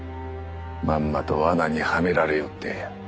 まんまと罠にはめられよって。